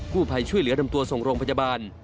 ผู้ภัยช่วยเหลือนำตัวส่งโรงพยาบาล